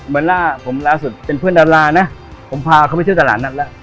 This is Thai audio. เวลาผมล่าสุดเป็นเพื่อนดารานะผมพาเขาไปเที่ยวตลาดนัดแล้ว